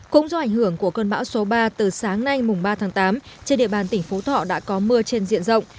cũng do ảnh hưởng của cơn bão số ba từ sáng nay mùng ba tháng tám trên địa bàn tỉnh phú thọ đã có mưa trên diện rộng